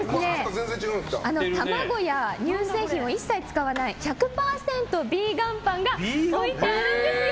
卵や乳製品を一切使わない１００％ビーガンパンが置いてあるんです。